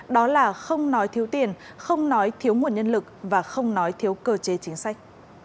đó là không nói thiếu tiền không nói thiếu nguồn nhân lực và không nói thiếu cơ chế chính sách